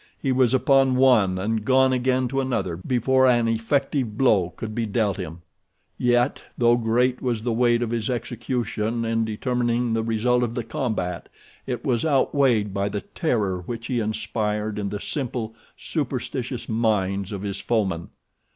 He was upon one and gone again to another before an effective blow could be dealt him. Yet, though great was the weight of his execution in determining the result of the combat, it was outweighed by the terror which he inspired in the simple, superstitious minds of his foeman.